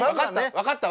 分かったわ。